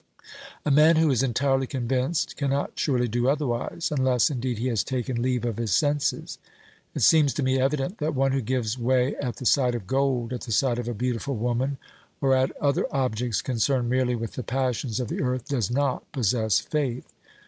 A man who is entirely convinced cannot surely do otherwise, unless indeed he has taken leave of his senses. It seems to me evident that one who gives way at the sight of gold, at the sight of a beautiful woman, or at other objects concerned merely with the passions of the earth, does not possess faith.